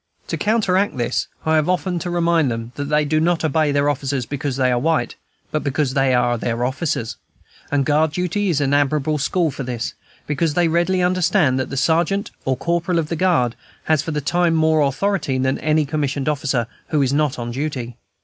To counteract this I have often to remind them that they do not obey their officers because they are white, but because they are their officers; and guard duty is an admirable school for this, because they readily understand that the sergeant or corporal of the guard has for the time more authority than any commissioned officer who is not on duty.